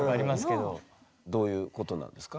どういうことなんですか？